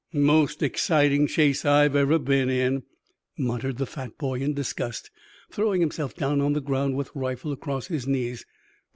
"Most exciting chase I've ever been in," muttered the fat boy in disgust, throwing himself down on the ground with rifle across his knees.